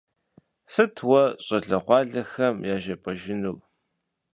Сыт уэ щӏалэгъуалэм яжепӏэжынур?